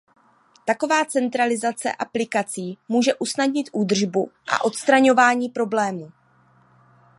Taková centralizace aplikací může usnadnit údržbu a odstraňování problémů.